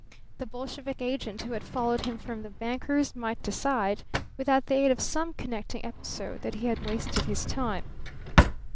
The Bolshevik agent who had followed him from the banker's might decide, without the aid of some connecting episode, that he had wasted his time.